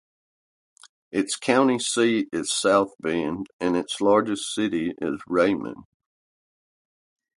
Its county seat is South Bend, and its largest city is Raymond.